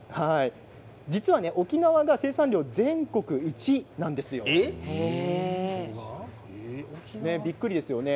実は沖縄が生産量、全国１位なんですよ。びっくりですよね。